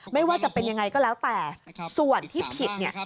ไม่ว่าจะเป็นยังไงก็แล้วแต่ส่วนที่ผิดเนี่ย